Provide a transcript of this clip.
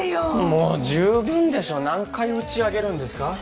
もう十分でしょ何回打ち上げるんですか？